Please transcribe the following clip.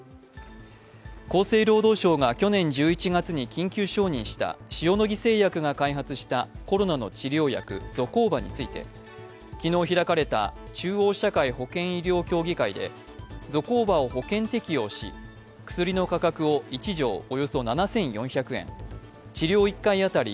厚生労働省が去年１１月に緊急承認した塩野義製薬が開発したコロナの治療薬ゾコーバについて昨日開かれた中央社会保険医療協議会でゾコーバを保険適用、薬の価格を１錠およそ７４００円治療１回当たり